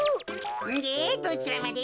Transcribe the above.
でどちらまで？